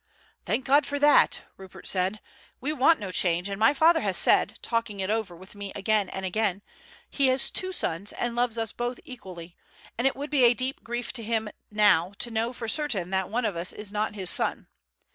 "Thank God for that!" Rupert said. "We want no change, and my father has said, talking it over with me again and again, he has two sons and loves us both equally, and it would be a deep grief to him now to know for certain that one of us is not his son.